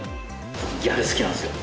ギャル好きなんですよ。